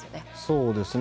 そうですね。